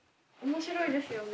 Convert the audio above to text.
面白いですよね。